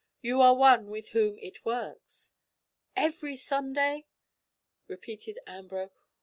"You are one with whom it works." "Every Sunday!" repeated Ambrose.